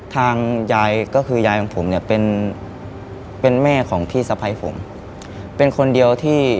ทางยายยายของผมเนี่ย